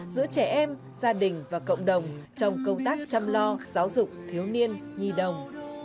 giữa trẻ em gia đình và cộng đồng trong công tác chăm lo giáo dục thiếu niên nhi đồng